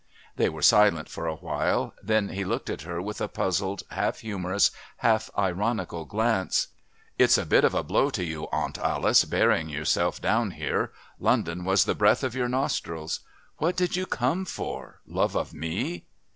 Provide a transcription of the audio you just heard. They were silent for a little. Then he looked at her with a puzzled, half humorous, half ironical glance. "It's a bit of a blow to you, Aunt Alice, burying yourself down here. London was the breath of your nostrils. What did you come for? Love of me?"